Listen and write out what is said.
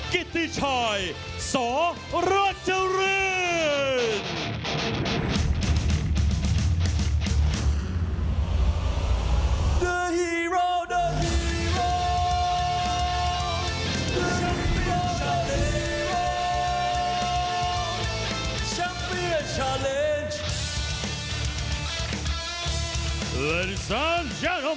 กิติชัยสวัสดิ์รัตเตอร์รีดขอบคุณครับ